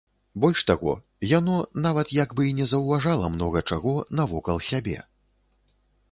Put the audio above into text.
Больш таго, яно нават як бы і не заўважала многа чаго навокал сябе.